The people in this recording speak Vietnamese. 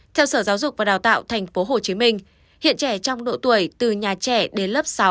theo sở giáo dục và đào tạo tp hcm hiện trẻ trong độ tuổi từ nhà trẻ đến lớp sáu